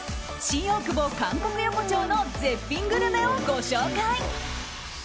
新大久保韓国横丁の絶品グルメをご紹介！